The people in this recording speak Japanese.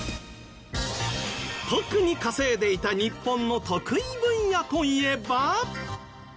特に稼いでいた日本の得意分野といえば